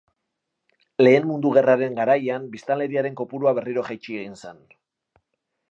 Lehen Mundu Gerraren garaian, biztanleriaren kopurua berriro jaitsi egin zen.